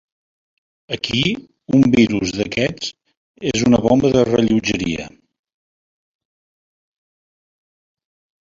Aquí un virus d’aquests és una bomba de rellotgeria.